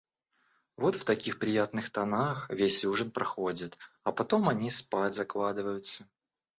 Вот в таких приятных тонах, весь ужин проходит, а потом они спать закладываются.